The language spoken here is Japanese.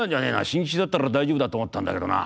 新吉だったら大丈夫だと思ったんだけどな。